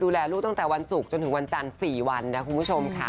ดูแลลูกตั้งแต่วันศุกร์จนถึงวันจันทร์๔วันนะคุณผู้ชมค่ะ